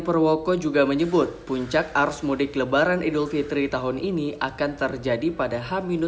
purwoko juga menyebut puncak arus mudik lebaran idul fitri tahun ini akan terjadi pada h dua